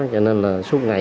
cho nên là suốt ngày